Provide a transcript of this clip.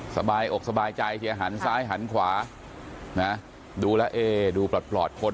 สบายอกสบายใจเฮียหันซ้ายหันขวานะดูแล้วเอ๊ดูปลอดปลอดคน